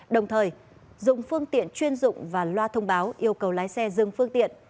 đồng thời dùng phương tiện chuyên dụng và loa thông báo yêu cầu lái xe dừng phương tiện